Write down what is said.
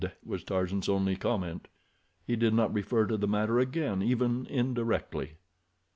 was Tarzan's only comment. He did not refer to the matter again even indirectly.